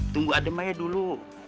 tunggu adem aja dulu